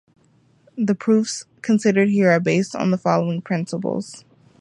The proofs considered here are based on the following principles.